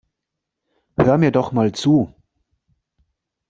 Hör mir doch mal zu.